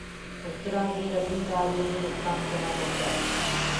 اُسترآ دي ربيٚن ڏآڙهيو مي نُڪسآن ڪونآ پوهچآئي۔